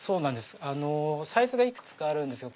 サイズがいくつかあるんですが。